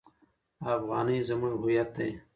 افغانۍ زموږ هویت دی.